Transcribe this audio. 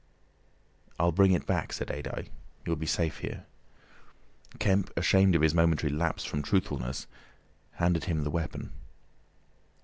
"I'll bring it back," said Adye, "you'll be safe here." Kemp, ashamed of his momentary lapse from truthfulness, handed him the weapon.